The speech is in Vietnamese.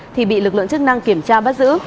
thì bị lực lượng chức năng kiểm tra bắt giữ